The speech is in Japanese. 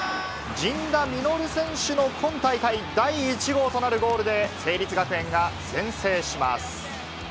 陣田成琉選手の今大会第１号となるゴールで成立学園が先制します。